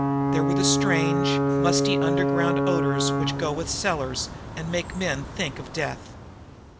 There were the strange, musty, underground odors which go with cellars and make men think of death.